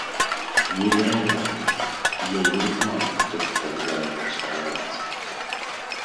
Невероятно! Я и не знал, что ты так жаждешь сражаться.